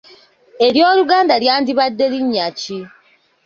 Ery’Oluganda lyandibadde linnya ki?